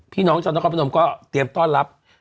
พี่น้องชาวนครพนมก็เตรียมต้อนรับ